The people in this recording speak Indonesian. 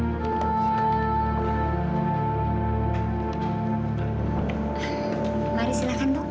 terima kasih dok